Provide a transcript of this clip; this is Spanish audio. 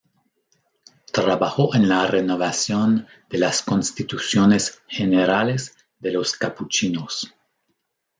Trabajó en la renovación de las Constituciones Generales de los capuchinos.